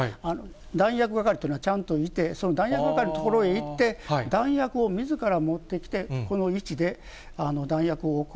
弾薬係というのがちゃんといて、その弾薬係の所へ行って、弾薬をみずから持ってきて、この位置で弾薬を置く。